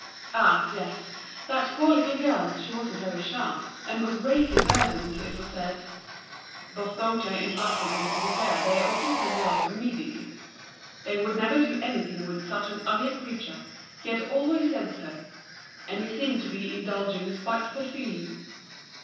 Ah! yes, that poor little girl; she wasn't very sharp, and was greatly burdened, it was said. Bourdoncle interrupted him to declare they ought to send her off immediately. They would never do anything with such an ugly creature, he had always said so; and he seemed to be indulging a spiteful feeling.